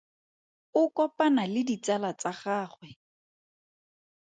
O kopana le ditsala tsa gagwe.